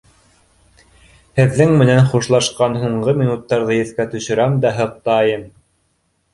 Һеҙҙең менән хушлашҡан һуңғы минуттарҙы иҫкә төшөрәм дә һыҡтайым.